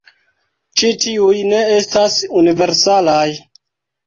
Ĉi tiuj ne estas universalaj.